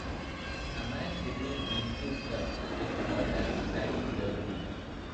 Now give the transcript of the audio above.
A match between these two clubs is called as Stadin derby.